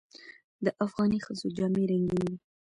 د افغاني ښځو جامې رنګینې دي.